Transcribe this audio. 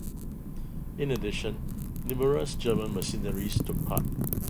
In addition, numerous German mercenaries took part.